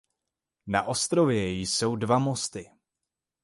Na ostrově jsou dva mosty.